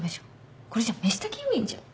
これじゃ飯炊き要員じゃん。